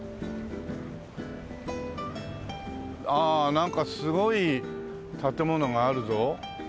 なんかすごい建物があるぞ。